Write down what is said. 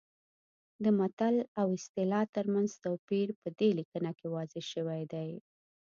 د متل او اصطلاح ترمنځ توپیر په دې لیکنه کې واضح شوی دی